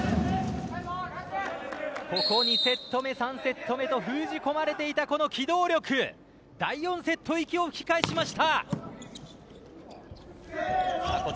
ここ２セット目３セット目と封じ込まれていた機動力第４セット息を吹き返しました。